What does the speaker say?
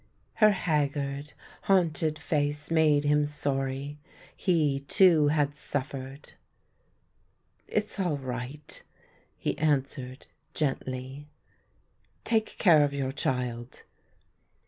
Her haggard, hunted face made him sorry ; he, too, had suffered. " It's all right," he answered gently. " Take care of your child."